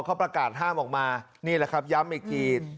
เขาประกาศห้ามออกมานี่แหละครับย้ำอีกที